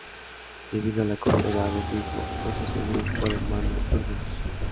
Debido a la corta edad de su hijo, fue sucedido por su hermano Turgon.